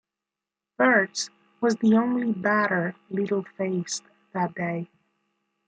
Wertz was the only batter Liddle faced that day.